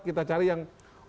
kita cari yang